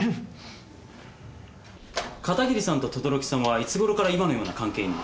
片桐さんと等々力さんはいつごろから今のような関係に？